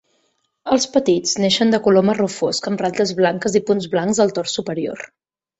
Els petits neixen de color marró fosc amb ratlles blanques i punts blancs al tors superior.